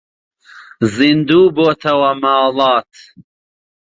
زیندوو بۆتەوە ماڵات